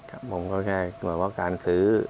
ครับผมก็แค่เหมือนว่าการซื้อ